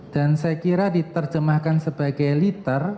dan saya kira diterjemahkan sebagai liter